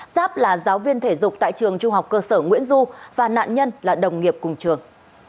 giáp là giáo viên thể dục tại trường trung học cơ sở nguyễn du và nạn nhân là đồng nghiệp cùng trường